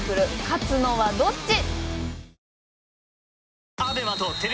勝つのはどっち？